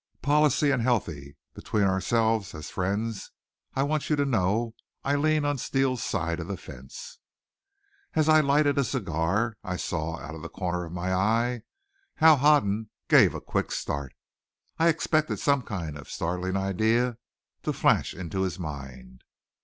Policy and healthy. Between ourselves, as friends, I want you to know I lean some on Steele's side of the fence." As I lighted a cigar I saw, out of the corner of my eye, how Hoden gave a quick start. I expected some kind of a startling idea to flash into his mind.